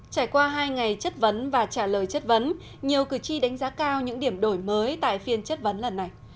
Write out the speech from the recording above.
trải qua hai ngày chất vấn và trả lời chất vấn nhiều cử tri đánh giá cao những điểm đổi mới tại phiên chất vấn lần này